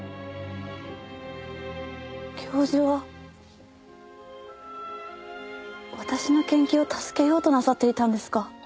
教授は私の研究を助けようとなさっていたんですか。